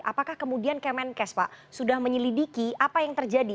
apakah kemudian kemenkes pak sudah menyelidiki apa yang terjadi